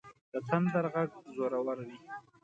د تندر غږ زورور وي.